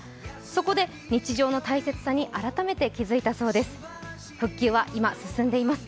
そこで、日常の大切さに改めて気付いたそうです。